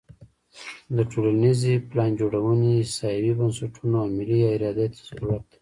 د ټولنیزې پلانجوړونې احصایوي بنسټونو او ملي ارادې ته ضرورت دی.